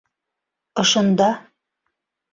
Ошонда...